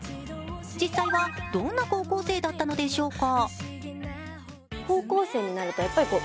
実際は、どんな高校生だったのでしょうか。